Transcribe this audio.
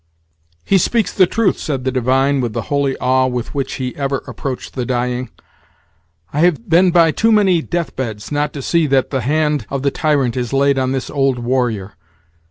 "He speaks the truth!" said the divine, with the holy awe with which he ever approached the dying; "I have been by too many death beds, not to see that the hand of the tyrant is laid on this old warrior.